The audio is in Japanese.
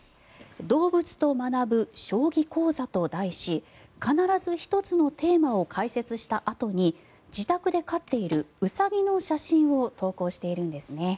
「動物と学ぶ将棋講座」と題し必ず１つのテーマを解説したあとに自宅で飼っているウサギの写真を投稿しているんですね。